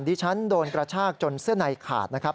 ที่ฉันโดนกระชากจนเสื้อในขาดนะครับ